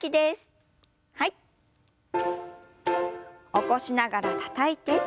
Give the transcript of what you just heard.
起こしながらたたいて。